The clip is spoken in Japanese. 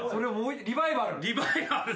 リバイバルで。